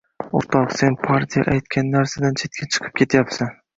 «O‘rtoq, sen partiya aytgan narsadan chetga chiqib ketyapsan